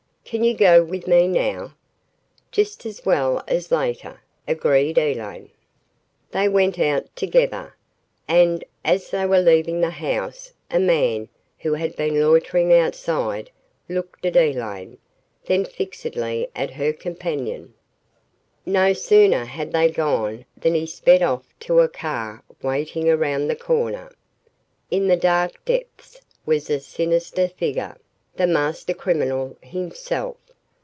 "Can you go with me now?" "Just as well as later," agreed Elaine. They went out together, and, as they were leaving the house a man who had been loitering outside looked at Elaine, then fixedly at her companion. No sooner had they gone than he sped off to a car waiting around the corner. In the dark depths was a sinister figure, the master criminal himself.